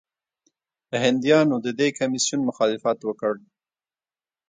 هندیانو د دې کمیسیون مخالفت وکړ.